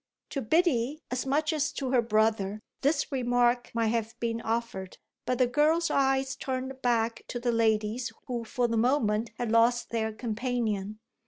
To Biddy as much as to her brother this remark might have been offered; but the girl's eyes turned back to the ladies who for the moment had lost their companion.